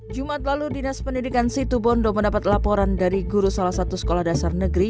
jumat lalu dinas pendidikan situbondo mendapat laporan dari guru salah satu sekolah dasar negeri